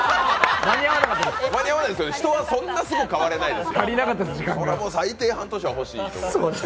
間に合わないですよね、人はそんなに早く変われないです。